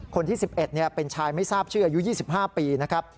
คนที่๑๑เป็นชายไม่ทราบชื่ออายุ๒๕ปีนะครับ